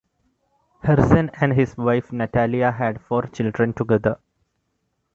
Herzen and his wife Natalia had four children together.